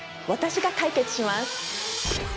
私が解決します！